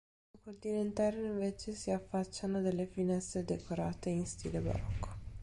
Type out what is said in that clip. Sul cortile interno, invece, si affacciano delle finestre decorate in stile barocco.